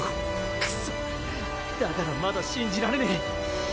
クソだからまだ信じられねえ。